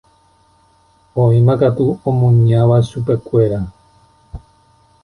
Oĩmakatu omuñáva chupekuéra.